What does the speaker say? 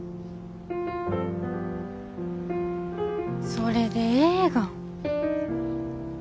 それでええがん。